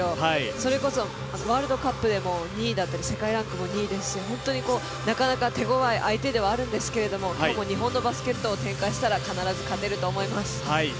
それこそワールドカップでも２位だったり世界ランキングも２位で本当になかなか手強い相手ではあるんですけど、今日も日本のバスケットボールを展開したら必ず勝てると思います。